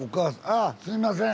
あすいません！